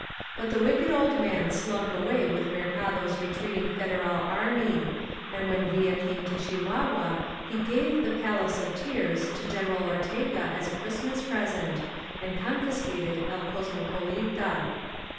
But the wicked old man slunk away with Mercado's retreating Federal army; and when Villa came to Chihuahua he gave ^^The Palace of Tears" to General Ortega as a Christmas present, and confiscated £1 Cosmopolita.